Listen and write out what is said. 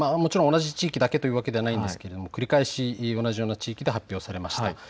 もちろん同じ地域だけというわけではないんですが繰り返し同じような地域で発表されました。